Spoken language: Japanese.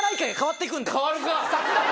変わるか！